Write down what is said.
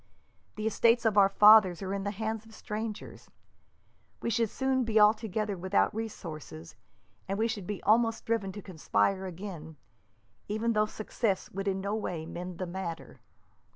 The estates of our fathers are in the hands of strangers. We should soon be altogether without resources, and we should be almost driven to conspire again, even though success would in no way mend the matter.